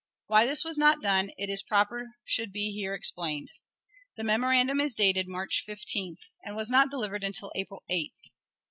Why this was not done, it is proper should be here explained. The memorandum is dated March 15th, and was not delivered until April 8th.